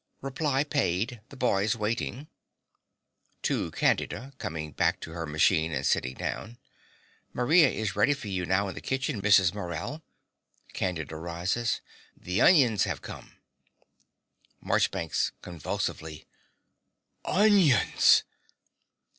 Reply paid. The boy's waiting. (To Candida, coming back to her machine and sitting down.) Maria is ready for you now in the kitchen, Mrs. Morell. (Candida rises.) The onions have come. MARCHBANKS (convulsively). Onions!